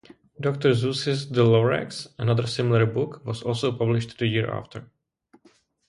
Doctor Seuss's "The Lorax", another similar book, was also published the year after.